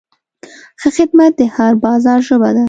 ښه خدمت د هر بازار ژبه ده.